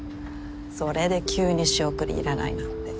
それで急に仕送りいらないなんて。